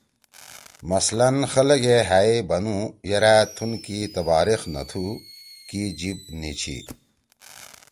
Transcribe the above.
مثلاً خلَگے ہأ ئے بنُو یرأ تُھون کی تباریخ نہ تُھو، کی جیِب نی چھی۔